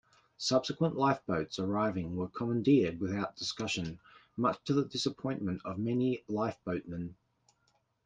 Subsequent lifeboats arriving were commandeered without discussion, much to the disappointment of many lifeboatmen.